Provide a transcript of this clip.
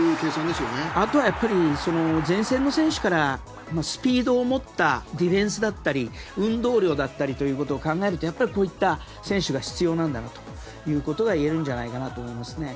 あとは前線の選手からスピードを持ったディフェンスだったり運動量だったりということを考えるとやっぱりこういった選手が必要なんだなということが言えるんじゃないかと思います。